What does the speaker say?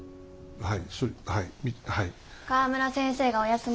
はい。